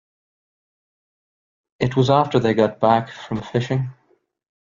It was after they got back from fishing.